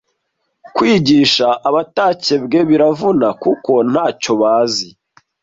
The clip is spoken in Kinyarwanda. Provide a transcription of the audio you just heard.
kwigisha abatakebwe biravuna kuko nacyo bazi